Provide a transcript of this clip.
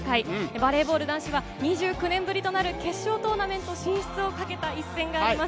バレーボール男子は２９年ぶりとなる決勝トーナメント進出を懸けた一戦があります。